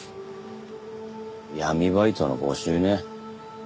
闇バイトの募集ね。